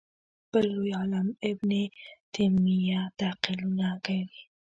بل لوی عالم ابن تیمیه تعلیقونه کښلي